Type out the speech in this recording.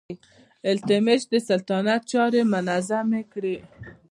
التتمش د سلطنت چارې منظمې کړې.